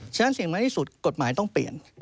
ฉะนั้นเสี่ยงมากที่สุดกฎหมายต้องเปลี่ยน